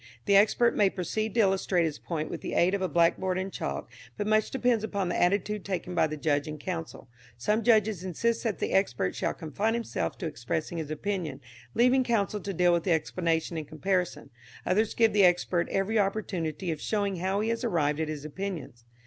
The expert may proceed to illustrate his point with the aid of a blackboard and chalk, but much depends upon the attitude taken by the judge and counsel. Some judges insist that the expert shall confine himself to expressing his opinion, leaving counsel to deal with the explanation and comparison; others give the expert every opportunity of showing how he has arrived at his opinions.